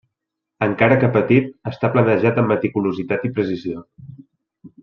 Encara que petit, està planejat amb meticulositat i precisió.